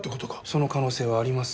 その可能性はあります。